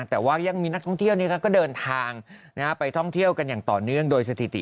แต่ว่ายังมีนักท่องเที่ยวก็เดินทางไปท่องเที่ยวกันอย่างต่อเนื่องโดยสถิติ